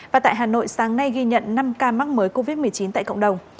và tại hà nội sáng nay ghi nhận năm ca mắc mới covid một mươi chín tại cộng đồng